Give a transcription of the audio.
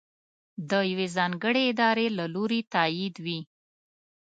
د یوې ځانګړې ادارې له لورې تائید وي.